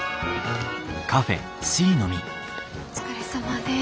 お疲れさまです。